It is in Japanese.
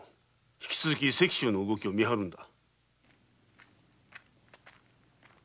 引き続き石舟の動きを見張るのだ。